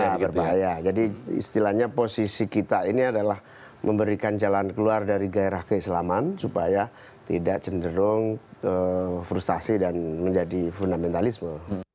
ya berbahaya jadi istilahnya posisi kita ini adalah memberikan jalan keluar dari gairah keislaman supaya tidak cenderung frustasi dan menjadi fundamentalisme